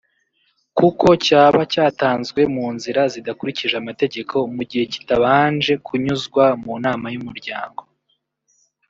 kuko cyaba cyatanzwe mu nzira zidakurikije amategeko mu gihe kitabanje kunyuzwa mu nama y’umuryango